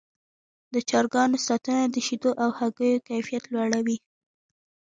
د چرګانو ساتنه د شیدو او هګیو کیفیت لوړوي.